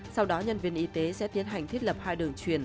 sau đó nhân viên y tế sẽ tiến hành thiết lập hai đường truyền